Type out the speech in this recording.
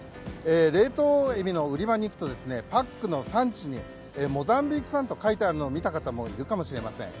冷凍エビの売り場に行くとパックの産地にモザンビーク産と書いてあるのを見た方もいるかもしれません。